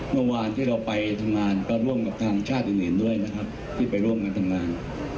เมื่อวานที่เราไปทำงานก็ร่วมกับทางชาติอื่นด้วยนะครับที่ไปร่วมกันทำงาน